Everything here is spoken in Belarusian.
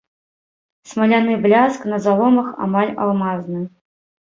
Смаляны бляск, на заломах амаль алмазны.